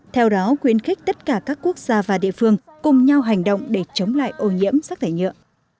theo đó khuyến khích tất cả các quốc gia và địa phương cùng nhau hành động để chống lại ô nhiễm rác thải nhựa